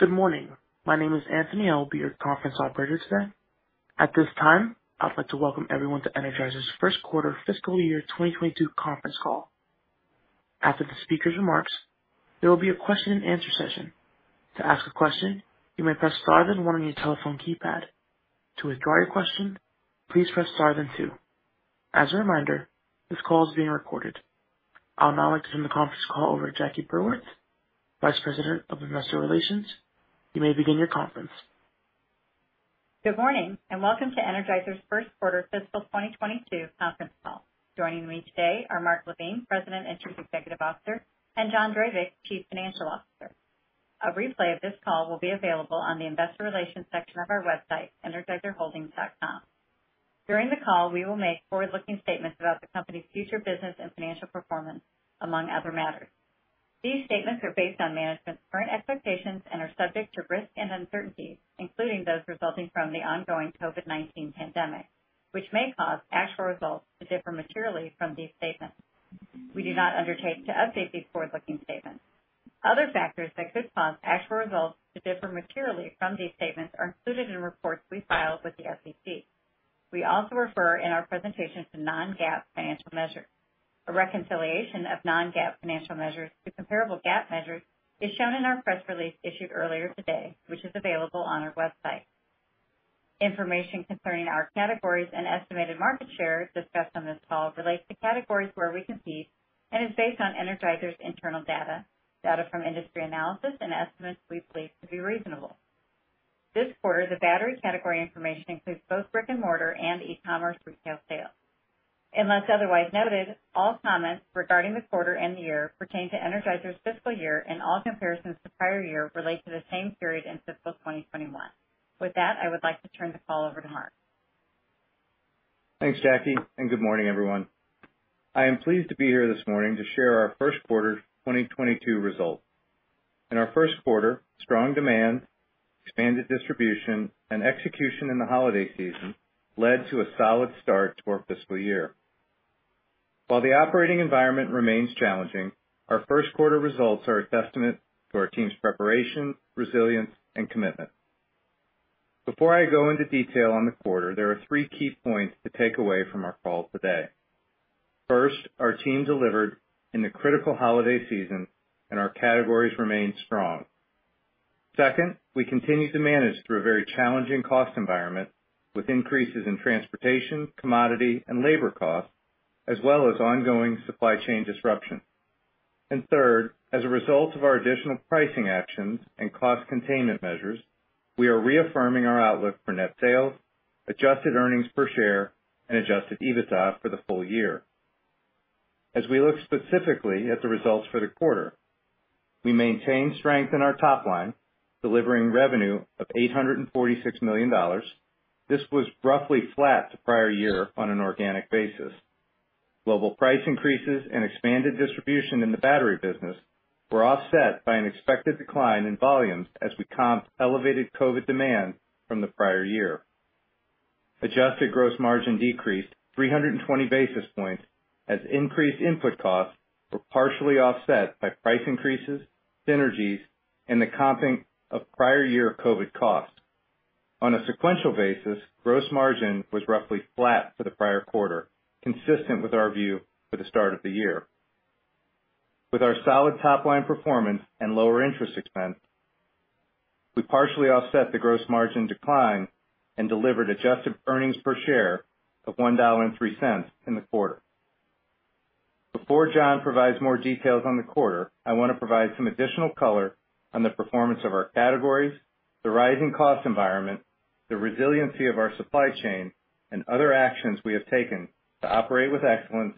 Good morning. My name is Anthony. I will be your conference operator today. At this time, I'd like to welcome everyone to Energizer's first quarter fiscal year 2022 conference call. After the speaker's remarks, there will be a question-and-answer session. To ask a question, you may press star then one on your telephone keypad. To withdraw your question, please press star then two. As a reminder, this call is being recorded. I would now like to turn the conference call over to Jacqueline Burwitz, Vice President of Investor Relations. You may begin your conference. Good morning, and welcome to Energizer's first quarter fiscal 2022 conference call. Joining me today are Mark LaVigne, President and Chief Executive Officer, and John Drabik, Chief Financial Officer. A replay of this call will be available on the investor relations section of our website, energizerholdings.com. During the call, we will make forward-looking statements about the company's future business and financial performance, among other matters. These statements are based on management's current expectations and are subject to risks and uncertainties, including those resulting from the ongoing COVID-19 pandemic, which may cause actual results to differ materially from these statements. We do not undertake to update these forward-looking statements. Other factors that could cause actual results to differ materially from these statements are included in reports we filed with the SEC. We also refer in our presentation to non-GAAP financial measures. A reconciliation of non-GAAP financial measures to comparable GAAP measures is shown in our press release issued earlier today, which is available on our website. Information concerning our categories and estimated market share discussed on this call relates to categories where we compete and is based on Energizer's internal data from industry analysis, and estimates we believe to be reasonable. This quarter, the battery category information includes both brick-and-mortar and e-commerce retail sales. Unless otherwise noted, all comments regarding the quarter and the year pertain to Energizer's fiscal year, and all comparisons to prior year relate to the same period in fiscal 2021. With that, I would like to turn the call over to Mark. Thanks, Jackie, and good morning, everyone. I am pleased to be here this morning to share our first quarter 2022 results. In our first quarter, strong demand, expanded distribution, and execution in the holiday season led to a solid start to our fiscal year. While the operating environment remains challenging, our first quarter results are a testament to our team's preparation, resilience, and commitment. Before I go into detail on the quarter, there are three key points to take away from our call today. First, our team delivered in the critical holiday season, and our categories remained strong. Second, we continue to manage through a very challenging cost environment, with increases in transportation, commodity, and labor costs, as well as ongoing supply chain disruption. Third, as a result of our additional pricing actions and cost containment measures, we are reaffirming our outlook for net sales, adjusted earnings per share, and adjusted EBITDA for the full year. As we look specifically at the results for the quarter, we maintained strength in our top line, delivering revenue of $846 million. This was roughly flat to prior year on an organic basis. Global price increases and expanded distribution in the battery business were offset by an expected decline in volumes as we comped elevated COVID demand from the prior year. Adjusted gross margin decreased 320 basis points as increased input costs were partially offset by price increases, synergies, and the comping of prior year COVID costs. On a sequential basis, gross margin was roughly flat for the prior quarter, consistent with our view for the start of the year. With our solid top-line performance and lower interest expense, we partially offset the gross margin decline and delivered adjusted earnings per share of $1.03 in the quarter. Before John provides more details on the quarter, I wanna provide some additional color on the performance of our categories, the rising cost environment, the resiliency of our supply chain, and other actions we have taken to operate with excellence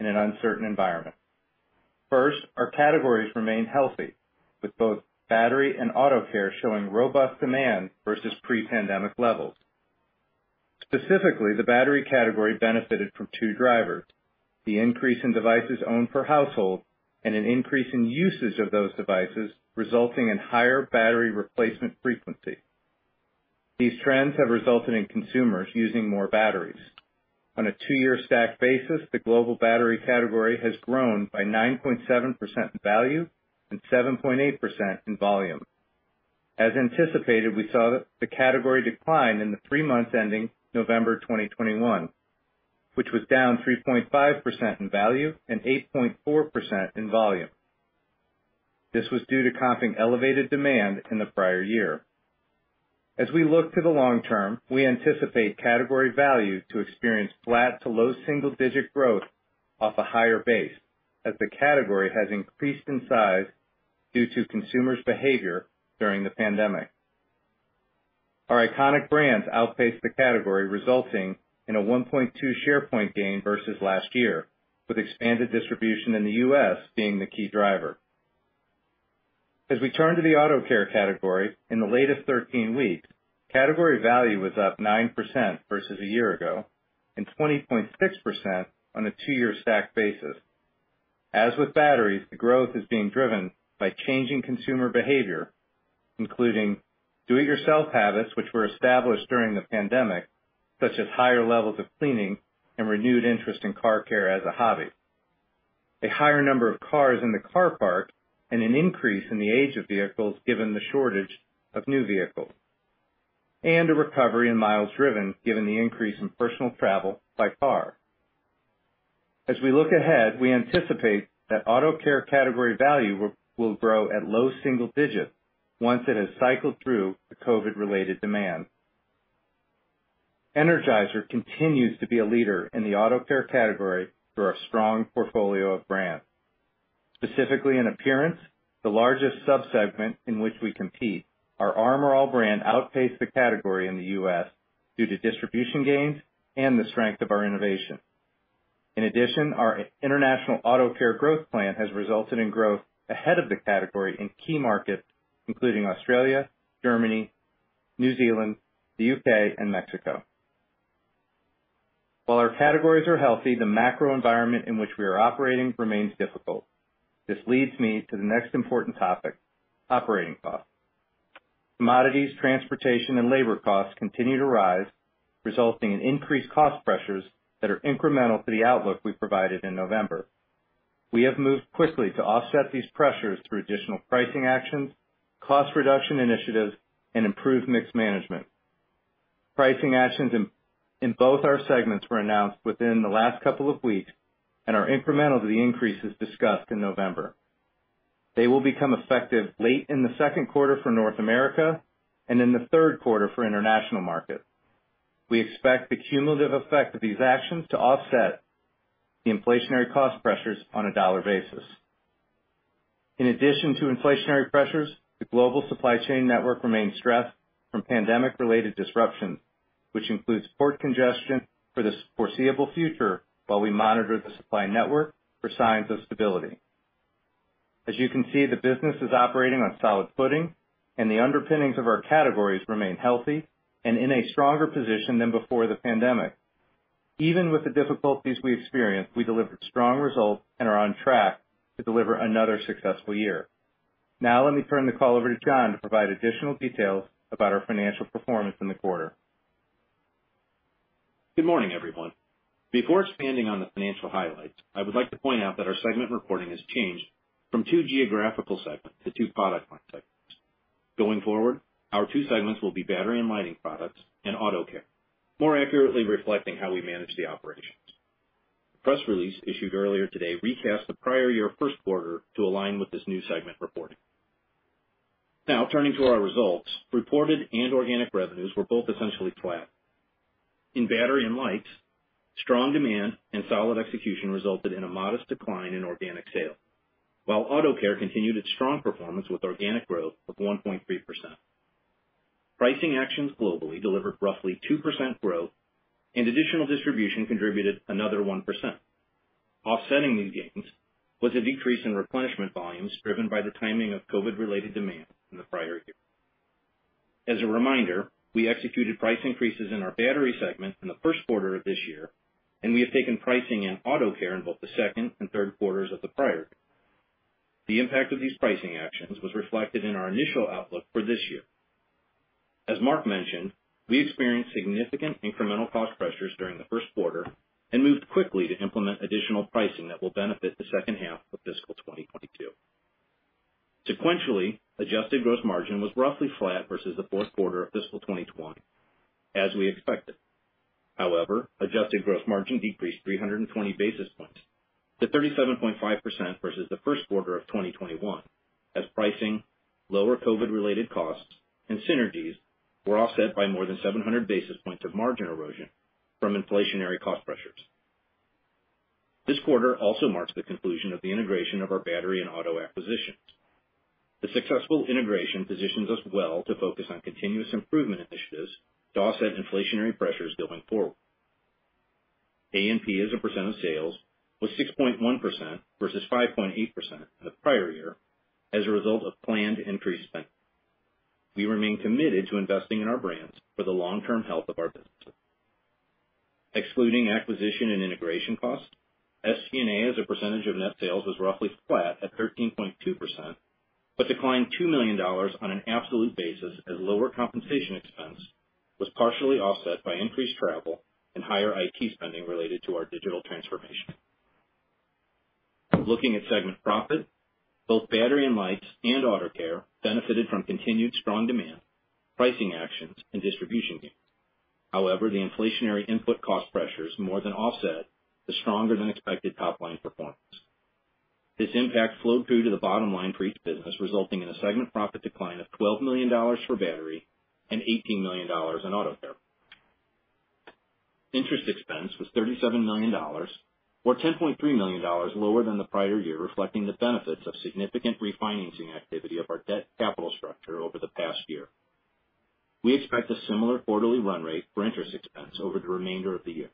in an uncertain environment. First, our categories remain healthy, with both battery and auto care showing robust demand versus pre-pandemic levels. Specifically, the battery category benefited from two drivers, the increase in devices owned per household, and an increase in usage of those devices, resulting in higher battery replacement frequency. These trends have resulted in consumers using more batteries. On a two-year stacked basis, the global battery category has grown by 9.7% in value and 7.8% in volume. As anticipated, we saw the category decline in the three months ending November 2021, which was down 3.5% in value and 8.4% in volume. This was due to comping elevated demand in the prior year. As we look to the long term, we anticipate category value to experience flat to low single-digit growth off a higher base, as the category has increased in size due to consumers' behavior during the pandemic. Our iconic brands outpaced the category, resulting in a 1.2 share point gain versus last year, with expanded distribution in the U.S. being the key driver. As we turn to the auto care category, in the latest 13 weeks, category value was up 9% versus a year ago and 20.6% on a two-year stacked basis. As with batteries, the growth is being driven by changing consumer behavior, including do-it-yourself habits which were established during the pandemic, such as higher levels of cleaning and renewed interest in car care as a hobby, a higher number of cars in the car park and an increase in the age of vehicles given the shortage of new vehicles, and a recovery in miles driven given the increase in personal travel by car. As we look ahead, we anticipate that auto care category value will grow at low single digits once it has cycled through the COVID-related demand. Energizer continues to be a leader in the auto care category through our strong portfolio of brands. Specifically, in appearance, the largest sub-segment in which we compete, our Armor All brand outpaced the category in the U.S. due to distribution gains and the strength of our innovation. In addition, our international auto care growth plan has resulted in growth ahead of the category in key markets, including Australia, Germany, New Zealand, the U.K., and Mexico. While our categories are healthy, the macro environment in which we are operating remains difficult. This leads me to the next important topic, operating costs. Commodities, transportation, and labor costs continue to rise, resulting in increased cost pressures that are incremental to the outlook we provided in November. We have moved quickly to offset these pressures through additional pricing actions, cost reduction initiatives, and improved mix management. Pricing actions in both our segments were announced within the last couple of weeks and are incremental to the increases discussed in November. They will become effective late in the second quarter for North America and in the third quarter for international markets. We expect the cumulative effect of these actions to offset the inflationary cost pressures on a dollar basis. In addition to inflationary pressures, the global supply chain network remains stressed from pandemic-related disruptions, which includes port congestion for the foreseeable future while we monitor the supply network for signs of stability. As you can see, the business is operating on solid footing, and the underpinnings of our categories remain healthy and in a stronger position than before the pandemic. Even with the difficulties we experienced, we delivered strong results and are on track to deliver another successful year. Now, let me turn the call over to John to provide additional details about our financial performance in the quarter. Good morning, everyone. Before expanding on the financial highlights, I would like to point out that our segment reporting has changed from two geographical segments to two product line segments. Going forward, our two segments will be Battery and Lighting Products and Auto Care, more accurately reflecting how we manage the operations. The press release issued earlier today recast the prior year first quarter to align with this new segment reporting. Now, turning to our results. Reported and organic revenues were both essentially flat. In battery and lights, strong demand and solid execution resulted in a modest decline in organic sales, while Auto Care continued its strong performance with organic growth of 1.3%. Pricing actions globally delivered roughly 2% growth, and additional distribution contributed another 1%. Offsetting these gains was a decrease in replenishment volumes driven by the timing of COVID-related demand from the prior year. As a reminder, we executed price increases in our battery segment in the first quarter of this year, and we have taken pricing in auto care in both the second and third quarters of the prior year. The impact of these pricing actions was reflected in our initial outlook for this year. As Mark mentioned, we experienced significant incremental cost pressures during the first quarter and moved quickly to implement additional pricing that will benefit the second half of fiscal 2022. Sequentially, adjusted gross margin was roughly flat versus the fourth quarter of fiscal 2021 as we expected. However, adjusted gross margin decreased 320 basis points to 37.5% versus the first quarter of 2021, as pricing, lower COVID-related costs, and synergies were offset by more than 700 basis points of margin erosion from inflationary cost pressures. This quarter also marks the conclusion of the integration of our battery and auto acquisitions. The successful integration positions us well to focus on continuous improvement initiatives to offset inflationary pressures going forward. A&P as a percent of sales was 6.1% versus 5.8% in the prior year as a result of planned increased spending. We remain committed to investing in our brands for the long-term health of our businesses. Excluding acquisition and integration costs, SG&A as a percentage of net sales was roughly flat at 13.2%, but declined $2 million on an absolute basis as lower compensation expense was partially offset by increased travel and higher IT spending related to our digital transformation. Looking at segment profit, both Battery and Lights and Auto Care benefited from continued strong demand, pricing actions, and distribution gains. However, the inflationary input cost pressures more than offset the stronger than expected top-line performance. This impact flowed through to the bottom line for each business, resulting in a segment profit decline of $12 million for Battery and $18 million in Auto Care. Interest expense was $37 million or $10.3 million lower than the prior year, reflecting the benefits of significant refinancing activity of our debt capital structure over the past year. We expect a similar quarterly run rate for interest expense over the remainder of the year.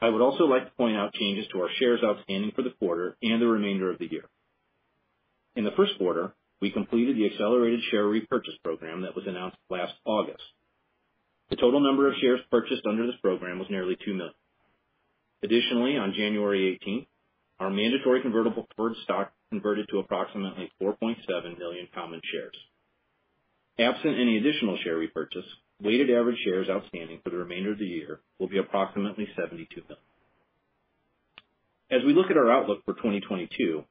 I would also like to point out changes to our shares outstanding for the quarter and the remainder of the year. In the first quarter, we completed the accelerated share repurchase program that was announced last August. The total number of shares purchased under this program was nearly 2 million. Additionally, on January 18th, our mandatory convertible preferred stock converted to approximately 4.7 million common shares. Absent any additional share repurchase, weighted average shares outstanding for the remainder of the year will be approximately 72 million. As we look at our outlook for 2022,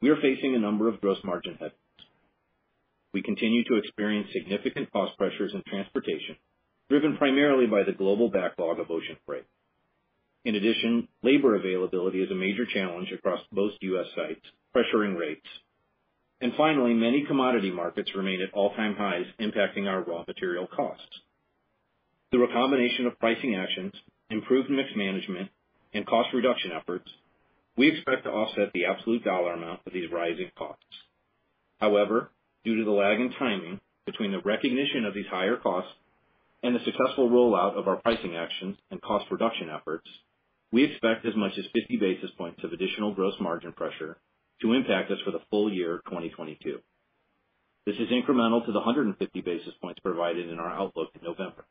we are facing a number of gross margin headwinds. We continue to experience significant cost pressures in transportation, driven primarily by the global backlog of ocean freight. In addition, labor availability is a major challenge across most U.S. sites, pressuring rates. Finally, many commodity markets remain at all-time highs, impacting our raw material costs. Through a combination of pricing actions, improved mix management, and cost reduction efforts, we expect to offset the absolute dollar amount of these rising costs. However, due to the lag in timing between the recognition of these higher costs and the successful rollout of our pricing actions and cost reduction efforts, we expect as much as 50 basis points of additional gross margin pressure to impact us for the full year of 2022. This is incremental to the 150 basis points provided in our outlook in November.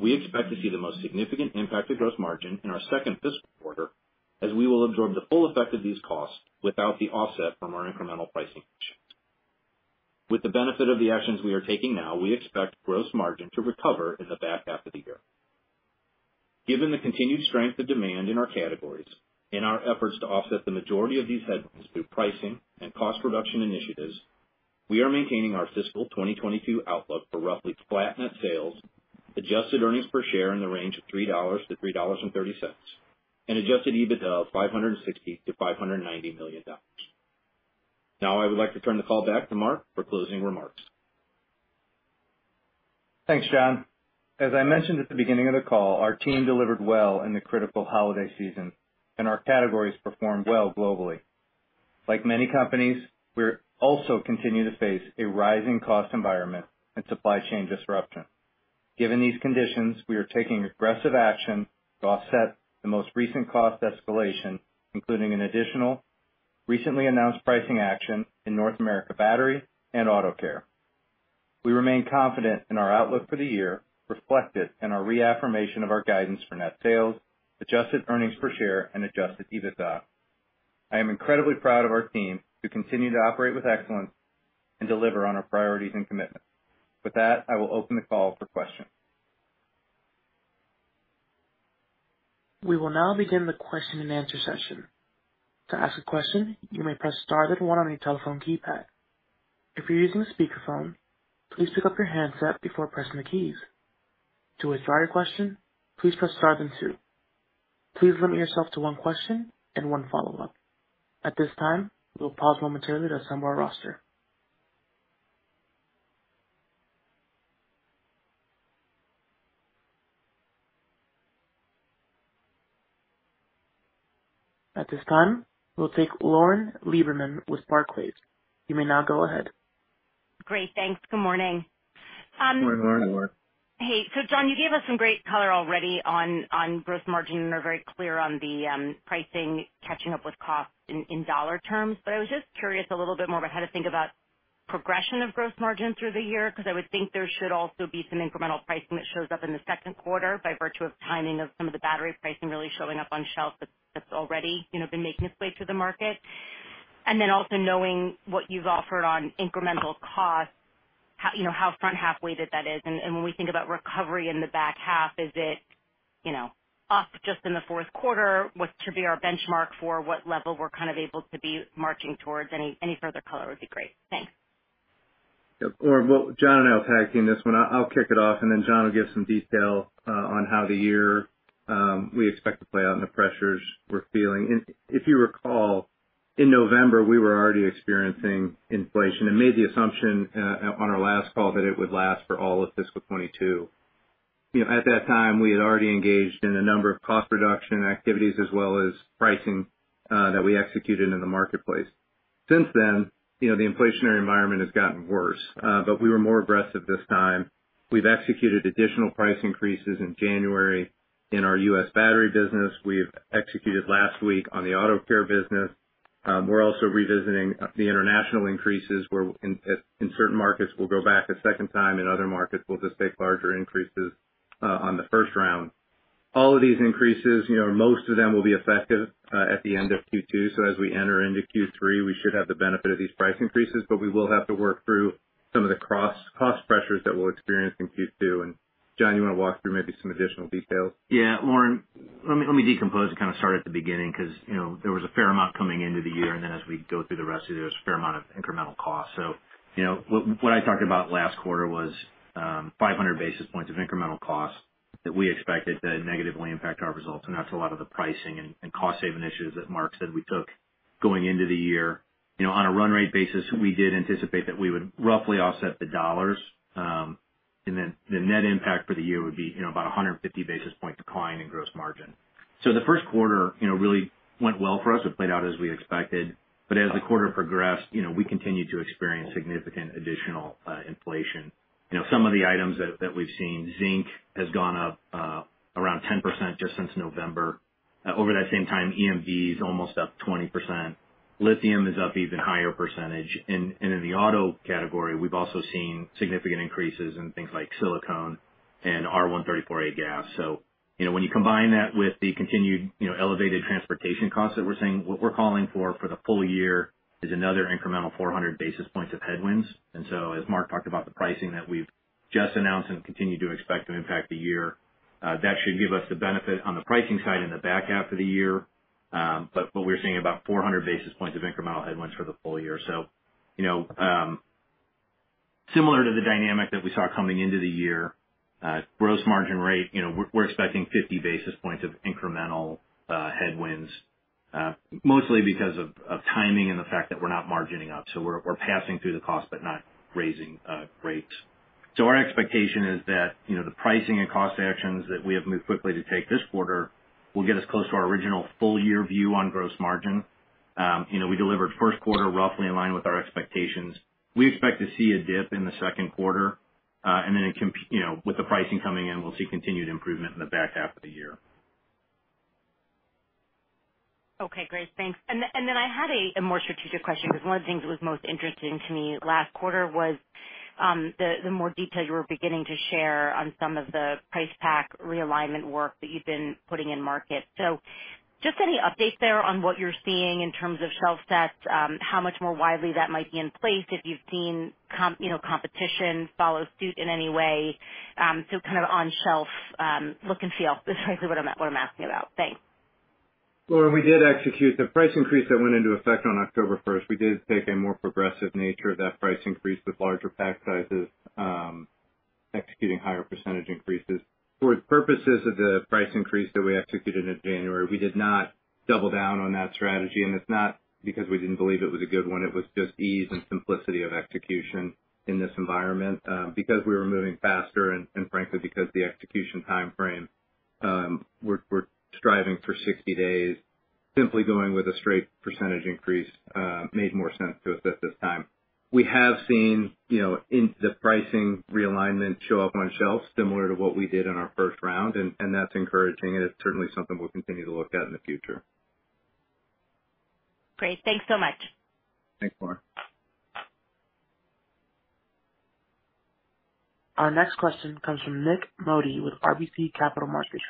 We expect to see the most significant impact to gross margin in our second fiscal quarter as we will absorb the full effect of these costs without the offset from our incremental pricing actions. With the benefit of the actions we are taking now, we expect gross margin to recover in the back half of the year. Given the continued strength of demand in our categories and our efforts to offset the majority of these headwinds through pricing and cost reduction initiatives, we are maintaining our fiscal 2022 outlook for roughly flat net sales, adjusted earnings per share in the range of $3-$3.30, and adjusted EBITDA of $560 million-$590 million. Now I would like to turn the call back to Mark for closing remarks. Thanks, John. As I mentioned at the beginning of the call, our team delivered well in the critical holiday season, and our categories performed well globally. Like many companies, we also continue to face a rising cost environment and supply chain disruption. Given these conditions, we are taking aggressive action to offset the most recent cost escalation, including an additional recently announced pricing action in North America Battery and Auto Care. We remain confident in our outlook for the year, reflected in our reaffirmation of our guidance for net sales, adjusted earnings per share and adjusted EBITDA. I am incredibly proud of our team who continue to operate with excellence and deliver on our priorities and commitments. With that, I will open the call for questions. We will now begin the question-and-answer session. To ask a question, you may press star then one on your telephone keypad. If you're using a speakerphone, please pick up your handset before pressing the keys. To withdraw your question, please press star then two. Please limit yourself to one question and one follow-up. At this time, we will pause momentarily to assemble our roster. At this time, we'll take Lauren Lieberman with Barclays. You may now go ahead. Great. Thanks. Good morning. Good morning, Lauren. Good morning, Lauren. Hey. John, you gave us some great color already on gross margin, and you're very clear on the pricing catching up with cost in dollar terms. I was just curious a little bit more about how to think about progression of gross margin through the year, 'cause I would think there should also be some incremental pricing that shows up in the second quarter by virtue of timing of some of the battery pricing really showing up on shelves that's already, you know, been making its way through the market. Then also knowing what you've offered on incremental costs, you know, how front half weighted that is. When we think about recovery in the back half, is it, you know, up just in the fourth quarter? What should be our benchmark for what level we're kind of able to be marching towards? Any further color would be great. Thanks. Yeah. Lauren, well, John and I will tag team this one. I'll kick it off and then John will give some detail on how the year we expect to play out and the pressures we're feeling. If you recall, in November, we were already experiencing inflation and made the assumption on our last call that it would last for all of fiscal 2022. You know, at that time, we had already engaged in a number of cost reduction activities as well as pricing that we executed in the marketplace. Since then, you know, the inflationary environment has gotten worse, but we were more aggressive this time. We've executed additional price increases in January in our U.S. Battery business. We've executed last week on the Auto Care business. We're also revisiting the international increases, where in certain markets we'll go back a second time, in other markets we'll just take larger increases on the first round. All of these increases, you know, most of them will be effective at the end of Q2. As we enter into Q3, we should have the benefit of these price increases, but we will have to work through some of the cross-cost pressures that we'll experience in Q2. John, you wanna walk through maybe some additional details? Yeah. Lauren, let me decompose and kind of start at the beginning 'cause, you know, there was a fair amount coming into the year, and then as we go through the rest of the year, there was a fair amount of incremental cost. You know, what I talked about last quarter was 500 basis points of incremental cost that we expected to negatively impact our results. That's a lot of the pricing and cost-saving initiatives that Mark said we took going into the year. You know, on a run rate basis, we did anticipate that we would roughly offset the dollars, and then the net impact for the year would be, you know, about 150 basis point decline in gross margin. The first quarter, you know, really went well for us. It played out as we expected. As the quarter progressed, you know, we continued to experience significant additional inflation. You know, some of the items that we've seen, zinc has gone up around 10% just since November. Over that same time, EMV is almost up 20%. Lithium is up even higher percentage. And in the auto category, we've also seen significant increases in things like silicone and R-134a gas. You know, when you combine that with the continued, you know, elevated transportation costs that we're seeing, what we're calling for for the full year is another incremental 400 basis points of headwinds. As Mark talked about the pricing that we've just announced and continue to expect to impact the year. That should give us the benefit on the pricing side in the back half of the year. What we're seeing about 400 basis points of incremental headwinds for the full year. You know, similar to the dynamic that we saw coming into the year, gross margin rate, you know, we're expecting 50 basis points of incremental headwinds, mostly because of timing and the fact that we're not margining up. We're passing through the cost but not raising rates. Our expectation is that, you know, the pricing and cost actions that we have moved quickly to take this quarter will get us close to our original full year view on gross margin. You know, we delivered first quarter roughly in line with our expectations. We expect to see a dip in the second quarter, and then it can, you know, with the pricing coming in, we'll see continued improvement in the back half of the year. Okay, great. Thanks. Then I had a more strategic question because one of the things that was most interesting to me last quarter was the more details you were beginning to share on some of the price pack realignment work that you've been putting in market. Just any update there on what you're seeing in terms of shelf stats, how much more widely that might be in place, if you've seen you know, competition follow suit in any way? Kind of on shelf look and feel is frankly what I'm asking about. Thanks. Lauren, we did execute the price increase that went into effect on October 1st. We did take a more progressive nature of that price increase with larger pack sizes, executing higher percentage increases. For the purposes of the price increase that we executed in January, we did not double down on that strategy. It's not because we didn't believe it was a good one. It was just ease and simplicity of execution in this environment, because we were moving faster and frankly because the execution timeframe, we're striving for 60 days. Simply going with a straight percentage increase made more sense to us at this time. We have seen, you know, in the pricing realignment show up on shelves similar to what we did in our first round. That's encouraging, and it's certainly something we'll continue to look at in the future. Great. Thanks so much. Thanks, Lauren. Our next question comes from Nik Modi with RBC Capital Markets.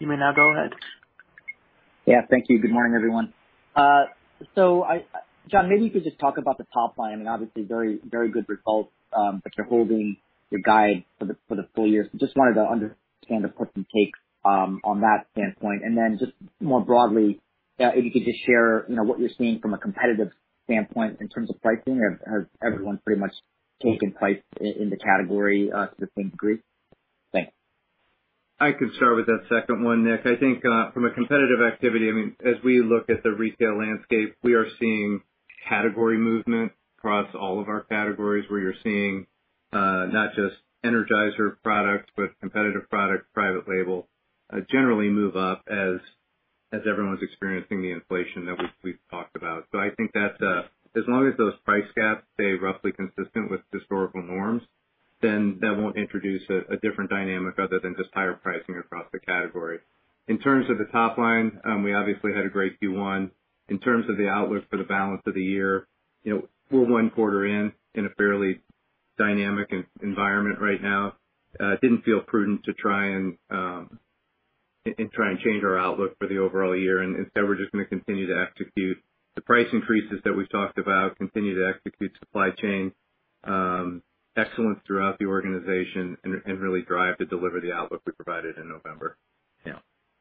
You may now go ahead. Yeah, thank you. Good morning, everyone. I, John, maybe you could just talk about the top line. I mean, obviously very, very good results, but you're holding your guide for the full year. Just wanted to understand the put and take on that standpoint. Then just more broadly, if you could just share, you know, what you're seeing from a competitive standpoint in terms of pricing. Has everyone pretty much taken pricing in the category to the same degree? Thanks. I can start with that second one, Nick. I think from a competitive activity, I mean, as we look at the retail landscape, we are seeing category movement across all of our categories where you're seeing not just Energizer products, but competitive products, private label generally move up as everyone's experiencing the inflation that we've talked about. I think that as long as those price gaps stay roughly consistent with historical norms, then that won't introduce a different dynamic other than just higher pricing across the category. In terms of the top line, we obviously had a great Q1. In terms of the outlook for the balance of the year, you know, we're one quarter in a fairly dynamic environment right now. Didn't feel prudent to try and change our outlook for the overall year. Instead, we're just gonna continue to execute the price increases that we've talked about, continue to execute supply chain excellence throughout the organization and really drive to deliver the outlook we provided in November. Yeah.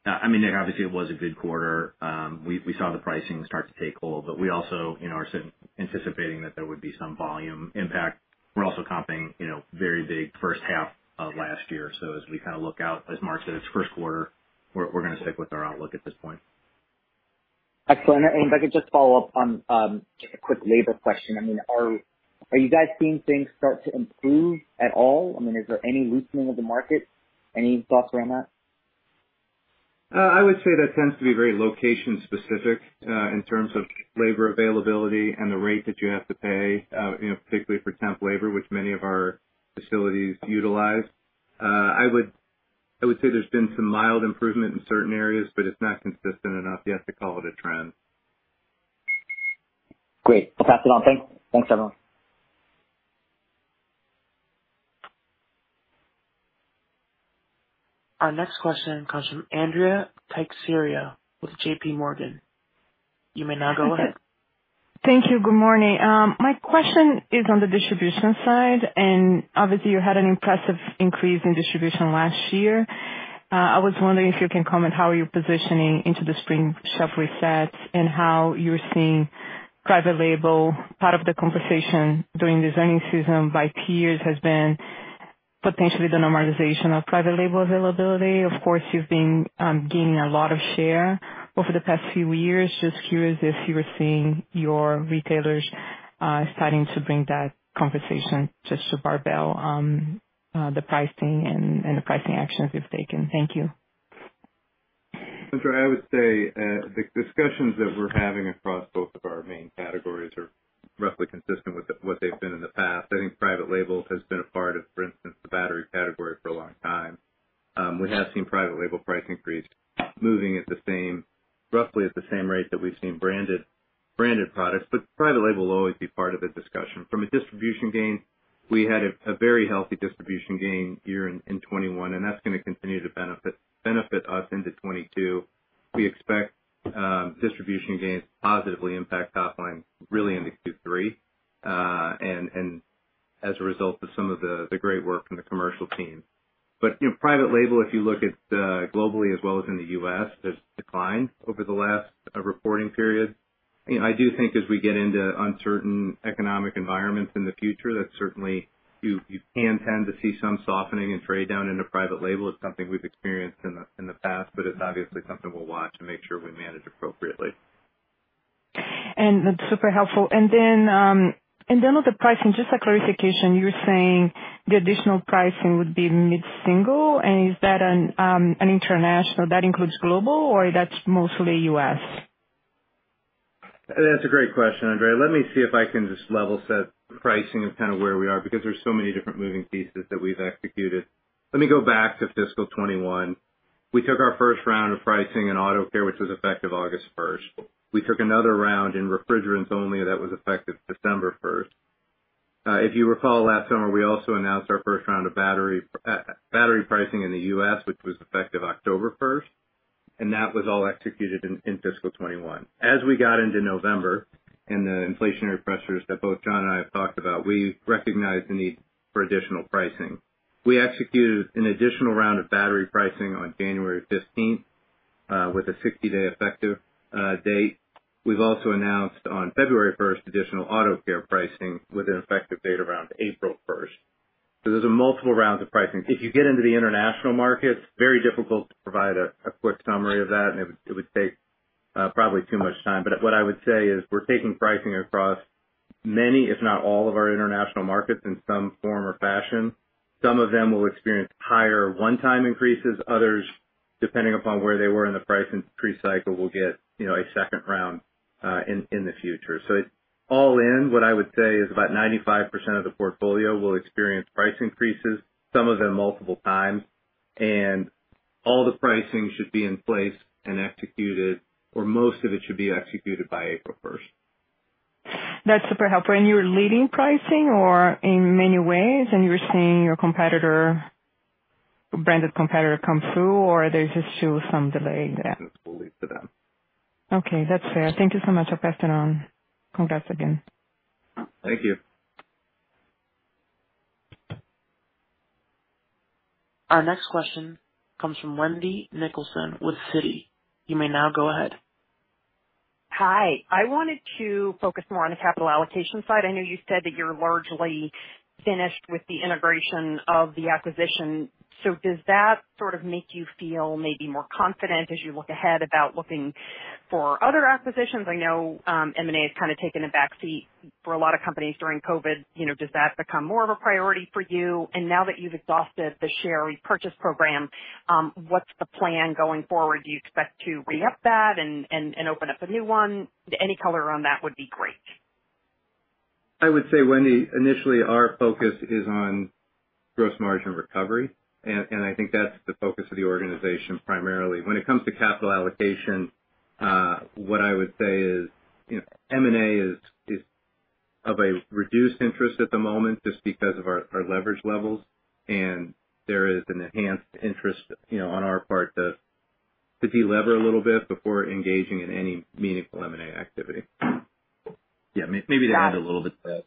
I mean, obviously, it was a good quarter. We saw the pricing start to take hold, but we also, you know, are anticipating that there would be some volume impact. We're also comping, you know, very big first half of last year. As we kind of look out, as Mark said, it's first quarter, we're gonna stick with our outlook at this point. Excellent. If I could just follow up on just a quick labor question. I mean, are you guys seeing things start to improve at all? I mean, is there any loosening of the market? Any thoughts around that? I would say that tends to be very location specific, in terms of labor availability and the rate that you have to pay, you know, particularly for temp labor, which many of our facilities utilize. I would say there's been some mild improvement in certain areas, but it's not consistent enough yet to call it a trend. Great. I'll pass it on. Thank you. Thanks, everyone. Our next question comes from Andrea Teixeira with JPMorgan. You may now go ahead. Thank you. Good morning. My question is on the distribution side, and obviously you had an impressive increase in distribution last year. I was wondering if you can comment how you're positioning into the spring shelf resets and how you're seeing private label. Part of the conversation during this earnings season by peers has been potentially the normalization of private label availability. Of course, you've been gaining a lot of share over the past few years. Just curious if you were seeing your retailers starting to bring that conversation just to barbell the pricing and the pricing actions you've taken. Thank you. Andrea, I would say the discussions that we're having across both of our main categories are roughly consistent with what they've been in the past. I think private labels has been a part of, for instance, the battery category for a long time. We have seen private label price increase moving at the same, roughly at the same rate that we've seen branded products, but private label will always be part of the discussion. From a distribution gain, we had a very healthy distribution gain here in 2021, and that's gonna continue to benefit us into 2022. We expect distribution gains to positively impact top line really into Q3. As a result of some of the great work from the commercial team. You know, private label, if you look at globally as well as in the U.S., there's decline over the last reporting period. You know, I do think as we get into uncertain economic environments in the future, that certainly you can tend to see some softening and trade down into private label. It's something we've experienced in the past, but it's obviously something we'll watch to make sure we manage appropriately. That's super helpful. On the pricing, just a clarification, you're saying the additional pricing would be mid-single? Is that an international that includes global or that's mostly U.S.? That's a great question, Andrea. Let me see if I can just level set pricing of kind of where we are, because there's so many different moving pieces that we've executed. Let me go back to fiscal 2021. We took our first round of pricing in auto care, which was effective August 1st. We took another round in refrigerants only that was effective December 1st. If you recall, last summer, we also announced our first round of battery pricing in the U.S., which was effective October 1st, and that was all executed in fiscal 2021. As we got into November and the inflationary pressures that both John and I have talked about, we recognized the need for additional pricing. We executed an additional round of battery pricing on January 15 with a 60-day effective date. We've also announced on February first additional auto care pricing with an effective date around April first. There's a multiple rounds of pricing. If you get into the international markets, it's very difficult to provide a quick summary of that, and it would take probably too much time. What I would say is we're taking pricing across many, if not all, of our international markets in some form or fashion. Some of them will experience higher one-time increases, others, depending upon where they were in the pricing pre-cycle, will get a second round in the future. All in, what I would say is about 95% of the portfolio will experience price increases, some of them multiple times, and all the pricing should be in place and executed, or most of it should be executed by April first. That's super helpful. You're leading pricing or in many ways, and you're seeing your competitor, branded competitor come through, or there's just still some delay there? We'll leave to them. Okay, that's fair. Thank you so much. I'll pass it on. Congrats again. Thank you. Our next question comes from Wendy Nicholson with Citi. You may now go ahead. Hi. I wanted to focus more on the capital allocation side. I know you said that you're largely finished with the integration of the acquisition. Does that sort of make you feel maybe more confident as you look ahead about looking for other acquisitions? I know, M&A has kind of taken a backseat for a lot of companies during COVID. You know, does that become more of a priority for you? Now that you've exhausted the share repurchase program, what's the plan going forward? Do you expect to re-up that and open up a new one? Any color on that would be great. I would say, Wendy, initially our focus is on gross margin recovery, and I think that's the focus of the organization primarily. When it comes to capital allocation, what I would say is, you know, M&A is of a reduced interest at the moment just because of our leverage levels, and there is an enhanced interest, you know, on our part to delever a little bit before engaging in any meaningful M&A activity. Yeah, maybe to add a little bit to that.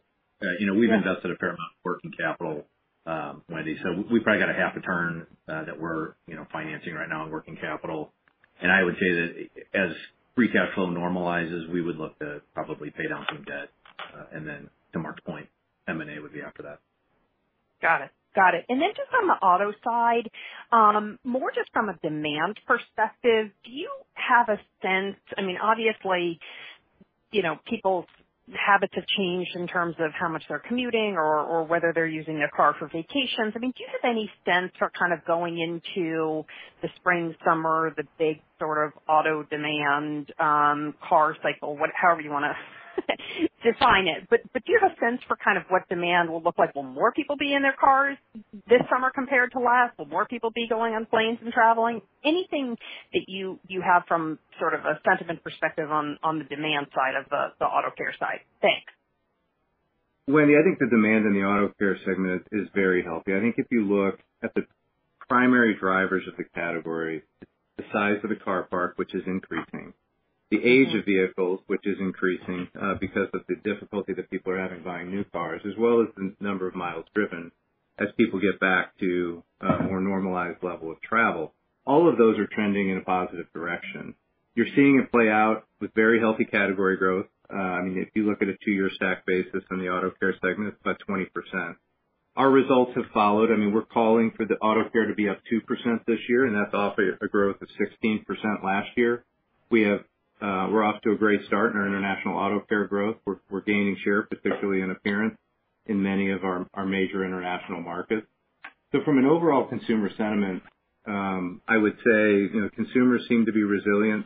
You know, we've invested a fair amount of working capital, Wendy, so we've probably got a half a turn that we're, you know, financing right now in working capital. I would say that as free cash flow normalizes, we would look to probably pay down some debt, and then to Mark's point, M&A would be after that. Got it. Then just on the auto side, more just from a demand perspective, do you have a sense? I mean, obviously, you know, people's habits have changed in terms of how much they're commuting or whether they're using their car for vacations. I mean, do you have any sense for kind of going into the spring, summer, the big sort of auto demand, car cycle, however you wanna define it, but do you have a sense for kind of what demand will look like? Will more people be in their cars this summer compared to last? Will more people be going on planes and traveling? Anything that you have from sort of a sentiment perspective on the demand side of the auto care side. Thanks. Wendy, I think the demand in the auto care segment is very healthy. I think if you look at the primary drivers of the category, the size of the car park, which is increasing, the age of vehicles, which is increasing, because of the difficulty that people are having buying new cars, as well as the number of miles driven as people get back to a more normalized level of travel, all of those are trending in a positive direction. You're seeing it play out with very healthy category growth. I mean, if you look at a two-year stack basis in the auto care segment, it's about 20%. Our results have followed. I mean, we're calling for the auto care to be up 2% this year, and that's off a growth of 16% last year. We're off to a great start in our international auto care growth. We're gaining share, particularly in appearance in many of our major international markets. From an overall consumer sentiment, I would say, you know, consumers seem to be resilient.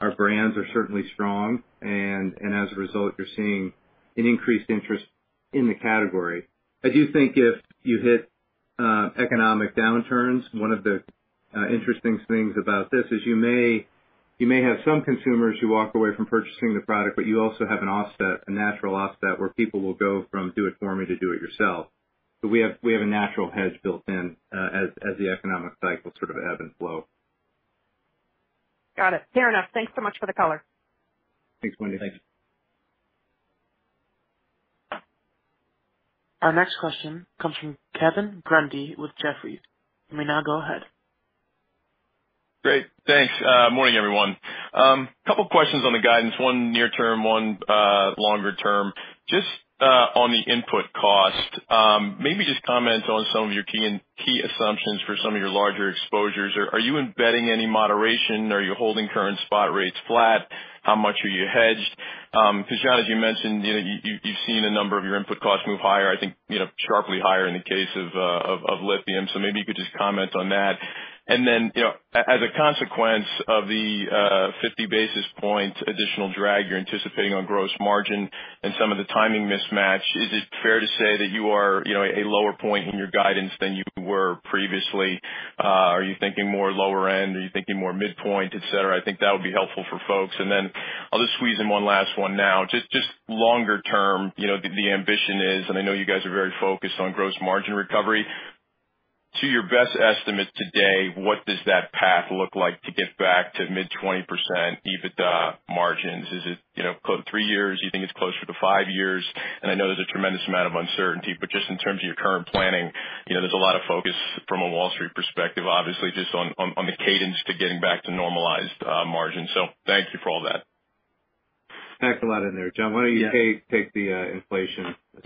Our brands are certainly strong, and as a result, you're seeing an increased interest in the category. I do think if you hit economic downturns, one of the interesting things about this is you may have some consumers who walk away from purchasing the product, but you also have an offset, a natural offset, where people will go from do it for me to do it yourself. We have a natural hedge built in, as the economic cycle sort of ebb and flow. Got it. Fair enough. Thanks so much for the color. Thanks, Wendy. Thank you. Our next question comes from Kevin Grundy with Jefferies. You may now go ahead. Great. Thanks. Morning, everyone. Couple questions on the guidance, one near term, one longer term. Just on the input cost, maybe just comment on some of your key assumptions for some of your larger exposures. Are you embedding any moderation? Are you holding current spot rates flat? How much are you hedged? 'Cause John, as you mentioned, you know, you've seen a number of your input costs move higher, I think, you know, sharply higher in the case of lithium. So maybe you could just comment on that. You know, as a consequence of the 50 basis points additional drag you're anticipating on gross margin and some of the timing mismatch, is it fair to say that you are a lower point in your guidance than you were previously? Are you thinking more lower end? Are you thinking more midpoint, et cetera? I think that would be helpful for folks. I'll just squeeze in one last one now. Just longer term, you know, the ambition is, and I know you guys are very focused on gross margin recovery. To your best estimate today, what does that path look like to get back to mid-20% EBITDA margins? Is it, you know, close to three years? You think it's closer to five years? I know there's a tremendous amount of uncertainty, but just in terms of your current planning, you know, there's a lot of focus from a Wall Street perspective, obviously, just on the cadence to getting back to normalized margins. Thank you for all that. Thanks a lot in there. John, why don't you take the inflation assumption?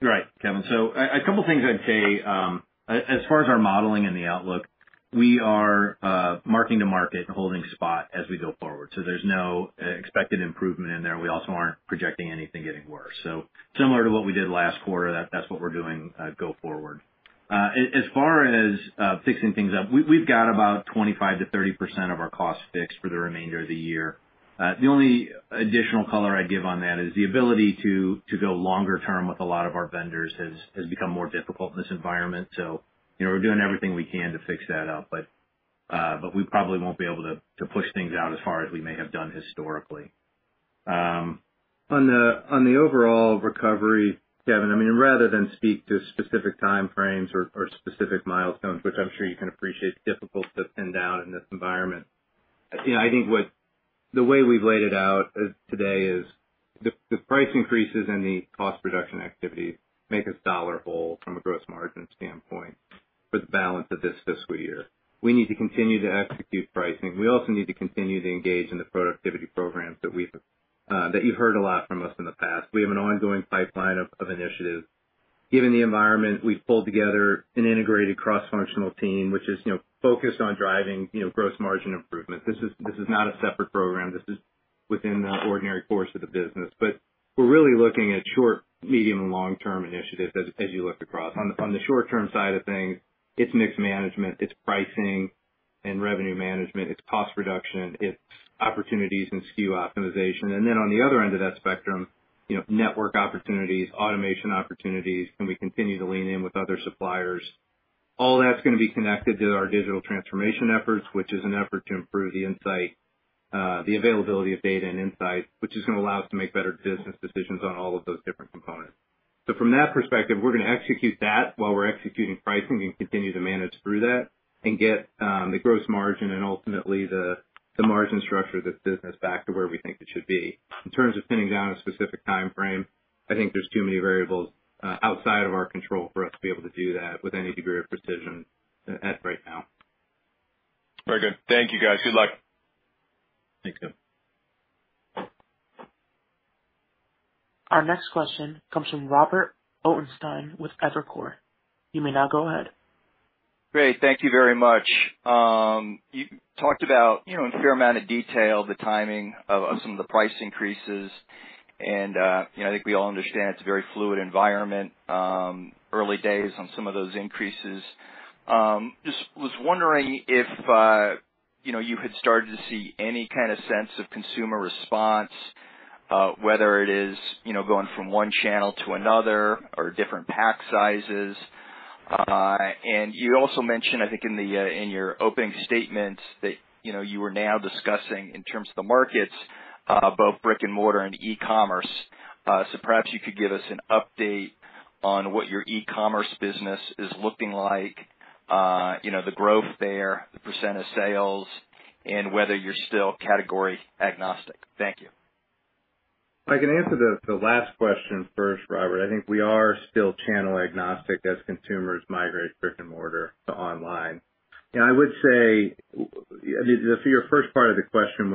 Yeah. Right, Kevin. So a couple things I'd say, as far as our modeling and the outlook, we are marking to market and holding spot as we go forward. So there's no expected improvement in there. We also aren't projecting anything getting worse. So similar to what we did last quarter, that's what we're doing go forward. As far as fixing things up, we've got about 25%-30% of our costs fixed for the remainder of the year. The only additional color I'd give on that is the ability to go longer term with a lot of our vendors has become more difficult in this environment. You know, we're doing everything we can to fix that up, but we probably won't be able to push things out as far as we may have done historically. On the overall recovery, Kevin, I mean, rather than speak to specific time frames or specific milestones, which I'm sure you can appreciate, it's difficult to pin down in this environment. You know, I think the way we've laid it out today is the price increases and the cost reduction activity make us dollar whole from a gross margin standpoint for the balance of this fiscal year. We need to continue to execute pricing. We also need to continue to engage in the productivity programs that you've heard a lot from us in the past. We have an ongoing pipeline of initiatives. Given the environment, we've pulled together an integrated cross-functional team, which is, you know, focused on driving, you know, gross margin improvement. This is not a separate program. This is within the ordinary course of the business. We're really looking at short, medium, and long-term initiatives as you look across. On the short-term side of things, it's mix management, it's pricing and revenue management, it's cost reduction, it's opportunities and SKU optimization. On the other end of that spectrum, you know, network opportunities, automation opportunities, can we continue to lean in with other suppliers? All that's gonna be connected to our digital transformation efforts, which is an effort to improve the insight, the availability of data and insight, which is gonna allow us to make better business decisions on all of those different components. From that perspective, we're gonna execute that while we're executing pricing and continue to manage through that and get the gross margin and ultimately the margin structure of this business back to where we think it should be. In terms of pinning down a specific time frame, I think there's too many variables outside of our control for us to be able to do that with any degree of precision right now. Very good. Thank you, guys. Good luck. Thanks, Kevin. Our next question comes from Robert Ottenstein with Evercore. You may now go ahead. Great. Thank you very much. You talked about, you know, a fair amount of detail the timing of some of the price increases. You know, I think we all understand it's a very fluid environment, early days on some of those increases. I just was wondering if, you know, you had started to see any kinda sense of consumer response, whether it is, you know, going from one channel to another or different pack sizes. You also mentioned, I think in your opening statements that, you know, you were now discussing in terms of the markets, both brick-and-mortar and e-commerce. So perhaps you could give us an update on what your e-commerce business is looking like, you know, the growth there, the percent of sales, and whether you're still category agnostic. Thank you. I can answer the last question first, Robert. I think we are still channel agnostic as consumers migrate brick-and-mortar to online. I would say so your first part of the question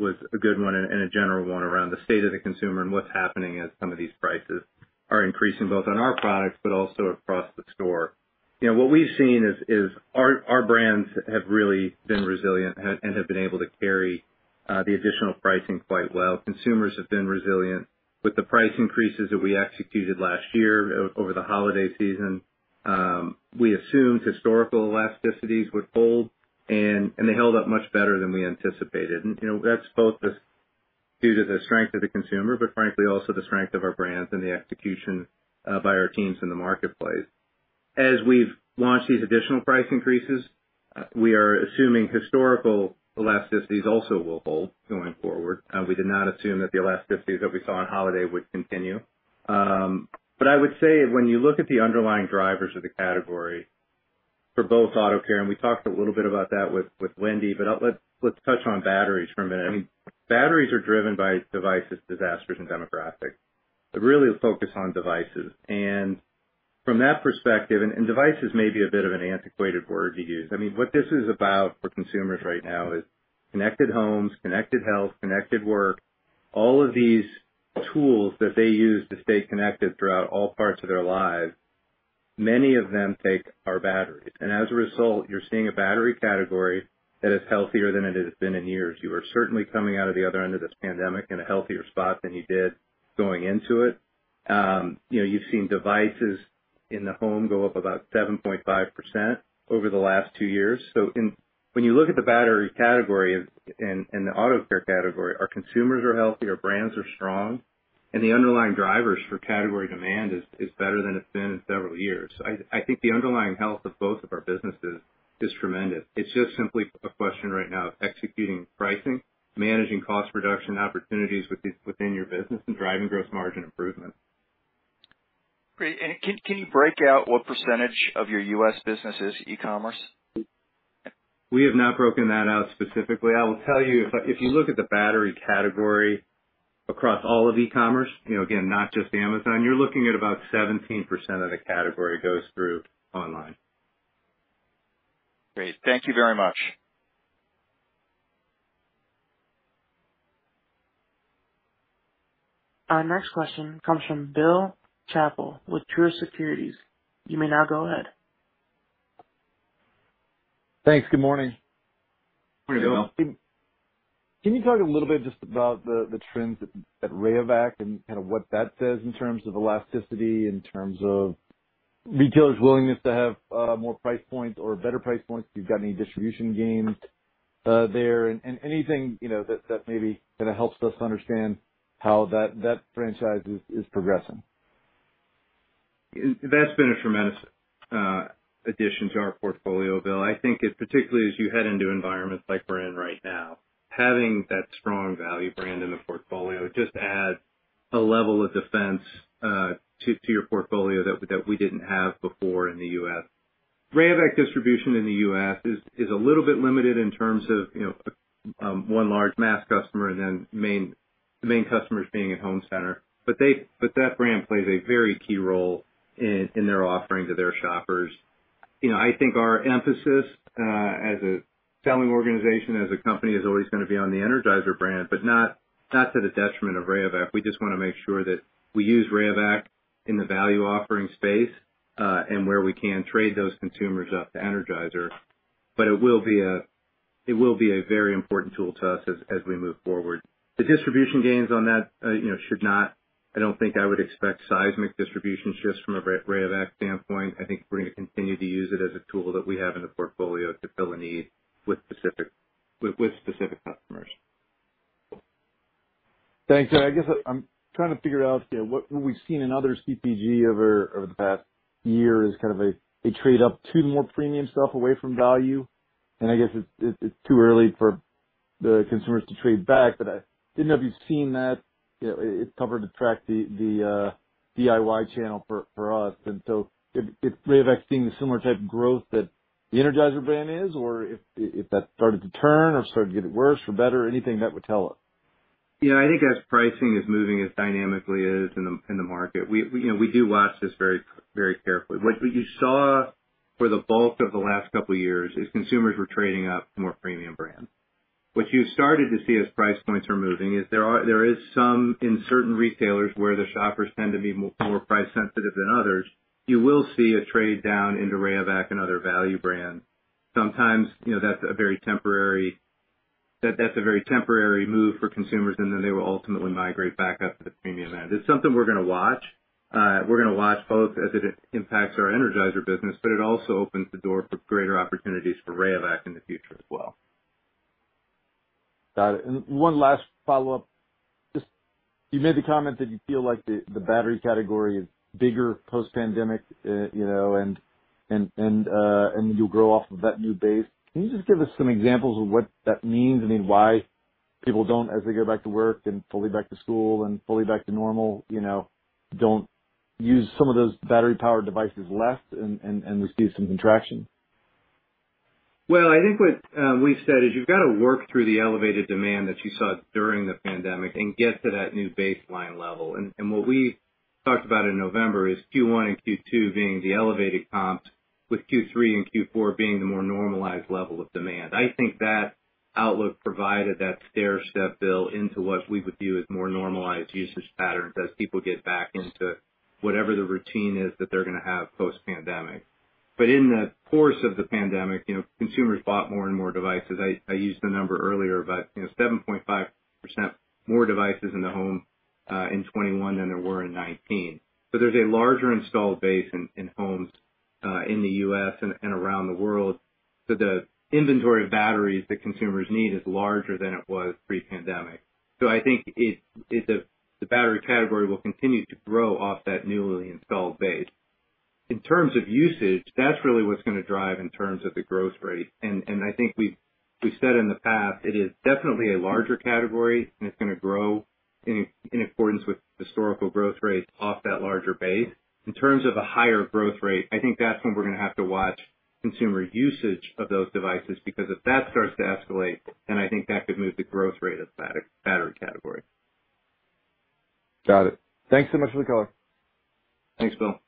was a good one and a general one around the state of the consumer and what's happening as some of these prices are increasing, both on our products but also across the store. You know, what we've seen is our brands have really been resilient and have been able to carry the additional pricing quite well. Consumers have been resilient. With the price increases that we executed last year over the holiday season, we assumed historical elasticities would hold, and they held up much better than we anticipated. You know, that's both just due to the strength of the consumer, but frankly also the strength of our brands and the execution by our teams in the marketplace. As we've launched these additional price increases, we are assuming historical elasticities also will hold going forward. We did not assume that the elasticities that we saw on holiday would continue. But I would say when you look at the underlying drivers of the category for both Auto Care, and we talked a little bit about that with Wendy, but let's touch on batteries for a minute. I mean, batteries are driven by devices, disasters, and demographics, but really focus on devices. From that perspective, devices may be a bit of an antiquated word to use. I mean, what this is about for consumers right now is connected homes, connected health, connected work, all of these tools that they use to stay connected throughout all parts of their lives, many of them take our batteries. As a result, you're seeing a battery category that is healthier than it has been in years. You are certainly coming out of the other end of this pandemic in a healthier spot than you did going into it. You've seen devices in the home go up about 7.5% over the last two years. When you look at the battery category and the auto care category, our consumers are healthy, our brands are strong, and the underlying drivers for category demand is better than it's been in several years. I think the underlying health of both of our businesses is tremendous. It's just simply a question right now of executing pricing, managing cost reduction opportunities within your business and driving gross margin improvement. Great. Can you break out what percentage of your U.S. business is e-commerce? We have not broken that out specifically. I will tell you, if you look at the battery category across all of e-commerce, you know, again, not just Amazon, you're looking at about 17% of the category goes through online. Great. Thank you very much. Our next question comes from Bill Chappell with Truist Securities. You may now go ahead. Thanks. Good morning. Good morning, Bill. Can you talk a little bit just about the trends at Rayovac and kind of what that says in terms of elasticity, in terms of retailers' willingness to have more price points or better price points? If you've got any distribution gains there, and anything you know that maybe kinda helps us understand how that franchise is progressing. That's been a tremendous addition to our portfolio, Bill. I think it, particularly as you head into environments like we're in right now, having that strong value brand in the portfolio just adds a level of defense to your portfolio that we didn't have before in the U.S. Rayovac distribution in the U.S. is a little bit limited in terms of, you know, one large mass customer and then the main customers being at Home Center. But that brand plays a very key role in their offering to their shoppers. You know, I think our emphasis as a selling organization, as a company, is always gonna be on the Energizer brand, but not to the detriment of Rayovac. We just wanna make sure that we use Rayovac in the value offering space, and where we can trade those consumers up to Energizer. It will be a very important tool to us as we move forward. The distribution gains on that should not. I don't think I would expect seismic distribution shifts from a Rayovac standpoint. I think we're gonna continue to use it as a tool that we have in the portfolio to fill a need with specific customers. Thanks. I guess I'm trying to figure out what we've seen in other CPG over the past year is kind of a trade up to more premium stuff away from value. I guess it's too early for the consumers to trade back, but I didn't know if you've seen that. You know, it covered the lack, the DIY channel for us. If Rayovac is seeing the similar type of growth that the Energizer brand is, or if that started to turn or started to get worse or better, anything that would tell us. Yeah, I think as pricing is moving as dynamically as in the market, you know, we do watch this very carefully. What you saw for the bulk of the last couple of years is consumers were trading up more premium brands. What you started to see as price points are moving is there is some in certain retailers where the shoppers tend to be more price sensitive than others. You will see a trade down into Rayovac and other value brands. Sometimes, you know, that's a very temporary move for consumers, and then they will ultimately migrate back up to the premium end. It's something we're gonna watch. We're gonna watch both as it impacts our Energizer business, but it also opens the door for greater opportunities for Rayovac in the future as well. Got it. One last follow-up. Just you made the comment that you feel like the battery category is bigger post-pandemic, you know, and you'll grow off of that new base. Can you just give us some examples of what that means? I mean, why people don't, as they go back to work and fully back to school and fully back to normal, you know, don't use some of those battery powered devices less and we see some contraction? Well, I think what we've said is you've got to work through the elevated demand that you saw during the pandemic and get to that new baseline level. What we talked about in November is Q1 and Q2 being the elevated comps with Q3 and Q4 being the more normalized level of demand. I think that outlook provided that stair-step build into what we would view as more normalized usage patterns as people get back into whatever the routine is that they're gonna have post-pandemic. In the course of the pandemic, you know, consumers bought more and more devices. I used the number earlier, but, you know, 7.5% more devices in the home in 2021 than there were in 2019. There's a larger installed base in homes in the U.S. and around the world. The inventory of batteries that consumers need is larger than it was pre-pandemic. I think the battery category will continue to grow off that newly installed base. In terms of usage, that's really what's gonna drive, in terms of the growth rate. I think we've said in the past it is definitely a larger category and it's gonna grow in accordance with historical growth rates off that larger base. In terms of a higher growth rate, I think that's when we're gonna have to watch consumer usage of those devices. Because if that starts to escalate, then I think that could move the growth rate of the battery category. Got it. Thanks so much for the color. Thanks, Bill.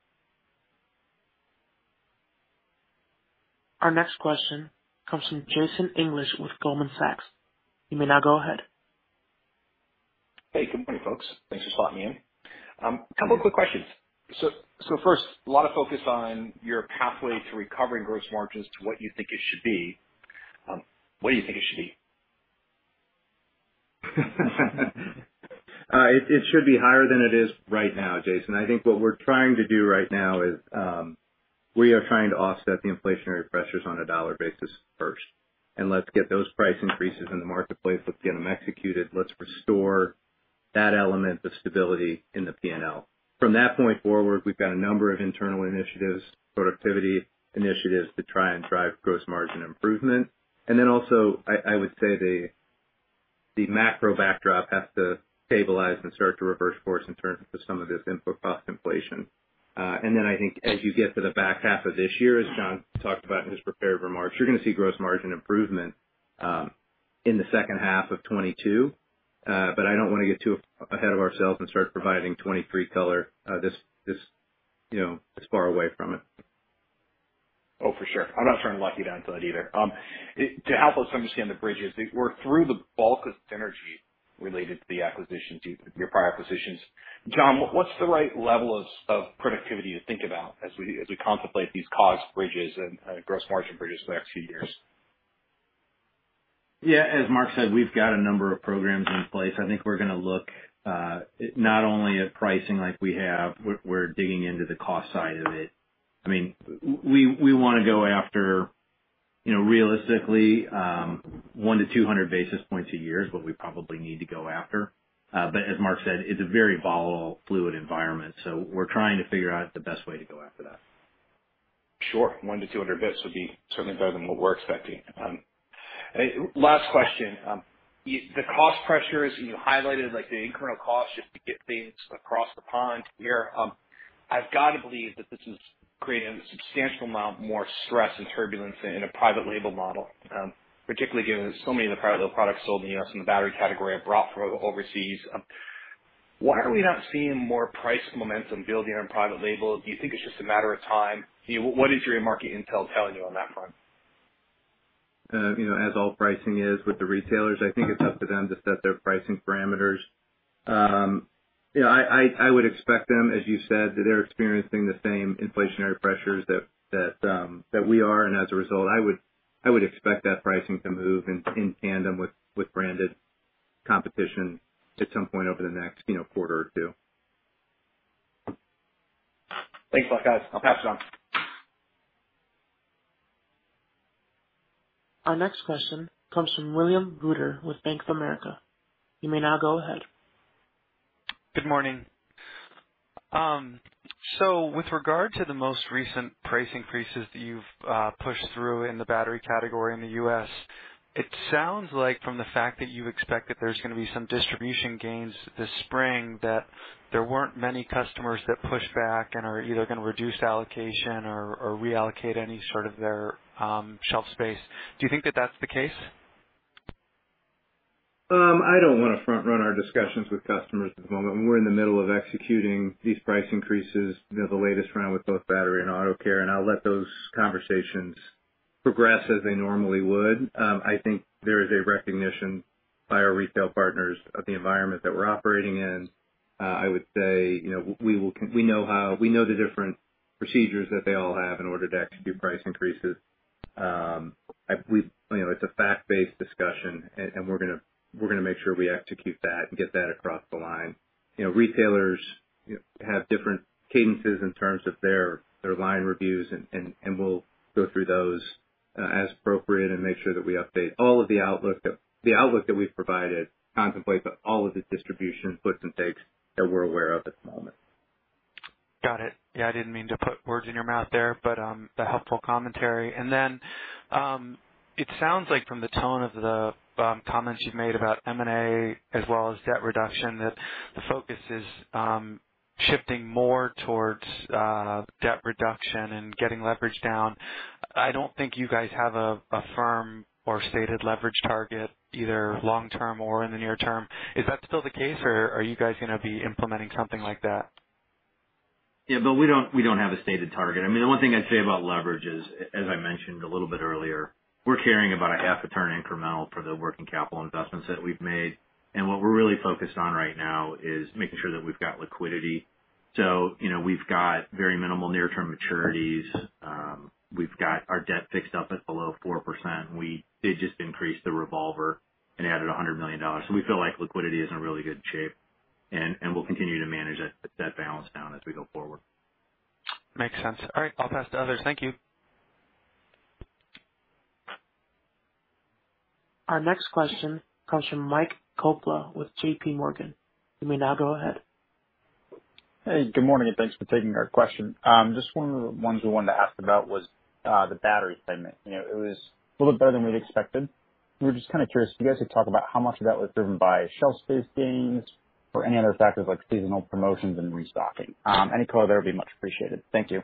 Our next question comes from Jason English with Goldman Sachs. You may now go ahead. Hey, good morning, folks. Thanks for spotting me in. Couple quick questions. First, a lot of focus on your pathway to recovering gross margins to what you think it should be. What do you think it should be? It should be higher than it is right now, Jason. I think what we're trying to do right now is we are trying to offset the inflationary pressures on a dollar basis first, and let's get those price increases in the marketplace. Let's get them executed. Let's restore that element, the stability in the P&L. From that point forward, we've got a number of internal initiatives, productivity initiatives to try and drive gross margin improvement. Then also, I would say the macro backdrop has to stabilize and start to reverse course in terms of some of this input cost inflation. Then I think as you get to the back half of this year, as John talked about in his prepared remarks, you're gonna see gross margin improvement in the second half of 2022. I don't wanna get too ahead of ourselves and start providing 2023 color, you know, this far away from it. Oh, for sure. I'm not trying to lock you down to that either. To help us understand the bridges, we're through the bulk of synergy related to the acquisitions, your prior acquisitions. John, what's the right level of productivity to think about as we contemplate these cost bridges and gross margin bridges for the next few years? Yeah, as Mark said, we've got a number of programs in place. I think we're gonna look not only at pricing like we have. We're digging into the cost side of it. I mean, we wanna go after, you know, realistically, 100-200 basis points a year is what we probably need to go after. As Mark said, it's a very volatile fluid environment, so we're trying to figure out the best way to go after that. Sure. 100-200 basis points would be certainly better than what we're expecting. Last question. The cost pressures you highlighted, like the incremental cost just to get things across the pond here, I've got to believe that this is creating a substantial amount more stress and turbulence in a private label model, particularly given so many of the private label products sold in the U.S. in the battery category are brought from overseas. Why are we not seeing more price momentum building on private label? Do you think it's just a matter of time? You know, what is your market intel telling you on that front? You know, as all pricing is with the retailers, I think it's up to them to set their pricing parameters. You know, I would expect them, as you said, that they're experiencing the same inflationary pressures that we are. As a result, I would expect that pricing to move in tandem with branded competition at some point over the next, you know, quarter or two. Thanks a lot, guys. I'll pass it on. Our next question comes from William Reuter with Bank of America. You may now go ahead. Good morning. With regard to the most recent price increases that you've pushed through in the battery category in the U.S., it sounds like from the fact that you expect that there's gonna be some distribution gains this spring, that there weren't many customers that pushed back and are either gonna reduce allocation or reallocate any sort of their shelf space. Do you think that that's the case? I don't wanna front run our discussions with customers at the moment. We're in the middle of executing these price increases, you know, the latest round with both Battery and Auto Care, and I'll let those conversations progress as they normally would. I think there is a recognition by our retail partners of the environment that we're operating in. I would say, you know, we know the different procedures that they all have in order to execute price increases. You know, it's a fact-based discussion, and we're gonna make sure we execute that and get that across the line. You know, retailers have different cadences in terms of their line reviews, and we'll go through those as appropriate and make sure that we update all of the outlook that. The outlook that we've provided contemplate all of the distribution splits and takes that we're aware of at the moment. Got it. Yeah, I didn't mean to put words in your mouth there, but helpful commentary. It sounds like from the tone of the comments you've made about M&A as well as debt reduction, that the focus is shifting more towards debt reduction and getting leverage down. I don't think you guys have a firm or stated leverage target either long term or in the near term. Is that still the case, or are you guys gonna be implementing something like that? Yeah, Bill, we don't have a stated target. I mean, the only thing I'd say about leverage is, as I mentioned a little bit earlier, we're carrying about a half a turn incremental for the working capital investments that we've made. What we're really focused on right now is making sure that we've got liquidity. You know, we've got very minimal near-term maturities. We've got our debt fixed up at below 4%. We did just increase the revolver and added $100 million. We feel like liquidity is in really good shape, and we'll continue to manage that balance down as we go forward. Makes sense. All right, I'll pass to others. Thank you. Our next question comes from Mike Kaplan with JPMorgan. You may now go ahead. Hey, good morning, and thanks for taking our question. Just one key question to ask about was the battery segment. You know, it was a little better than we'd expected. We're just kinda curious if you guys could talk about how much of that was driven by shelf space gains or any other factors like seasonal promotions and restocking. Any color there would be much appreciated. Thank you.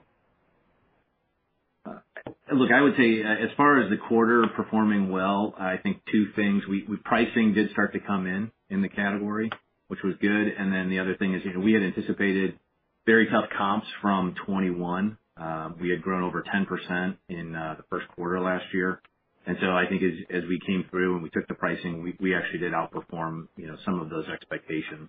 Look, I would say as far as the quarter performing well, I think two things. Pricing did start to come in in the category, which was good. Then the other thing is, you know, we had anticipated very tough comps from 2021. We had grown over 10% in the first quarter last year. I think as we came through and we took the pricing, we actually did outperform, you know, some of those expectations.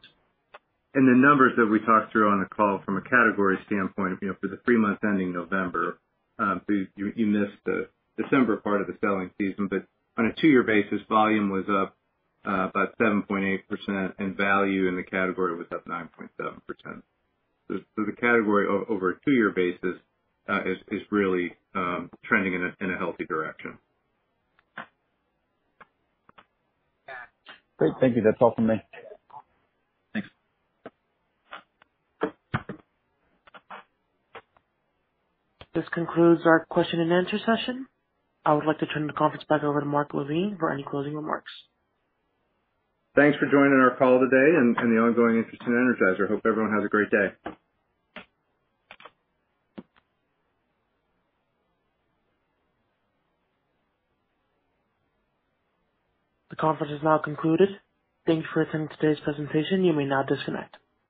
The numbers that we talked through on the call from a category standpoint, you know, for the three months ending November, so you missed the December part of the selling season, but on a two-year basis, volume was up about 7.8% and value in the category was up 9.7%. The category over a two-year basis is really trending in a healthy direction. Great. Thank you. That's all for me. Thanks. This concludes our question and answer session. I would like to turn the conference back over to Mark LaVigne for any closing remarks. Thanks for joining our call today and the ongoing interest in Energizer. Hope everyone has a great day. The conference is now concluded. Thank you for attending today's presentation. You may now disconnect.